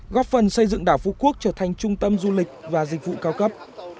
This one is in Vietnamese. góp phần xây dựng đảo phú quốc trở thành trung tâm du lịch và dịch vụ cao cấp